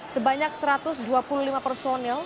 sebanyak satu ratus dua puluh lima personil